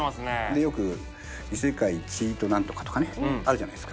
でよく「異世界チートなんとか」とかねあるじゃないですか。